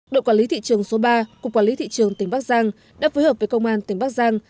đội quản lý thị trường số ba cục quản lý thị trường tỉnh bắc giang đã phối hợp với công an tỉnh bắc giang